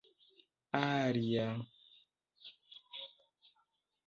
alia